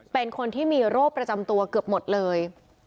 เป็นคนที่มีโรคประจำตัวเกือบหมดเลย